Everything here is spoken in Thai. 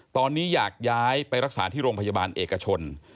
ตอนนี้อยากย้ายไปรักษาที่โรงพยาบาลเอกชน